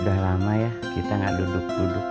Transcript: sudah lama kita tidak duduk duduk